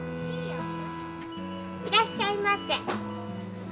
いらっしゃいませ。